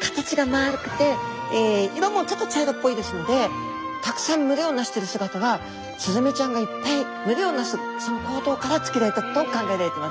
形がまるくて色もちょっと茶色っぽいですのでたくさん群れを成してる姿がスズメちゃんがいっぱい群れを成すその行動から付けられたと考えられてます。